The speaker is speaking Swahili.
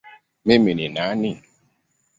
Mimi ni nani?